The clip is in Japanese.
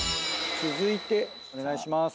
続いてお願いします。